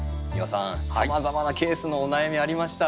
さまざまなケースのお悩みありました。